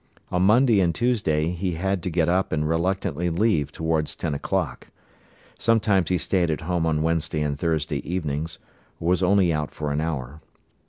On Monday and Tuesday he had to get up and reluctantly leave towards ten o'clock. Sometimes he stayed at home on Wednesday and Thursday evenings, or was only out for an hour.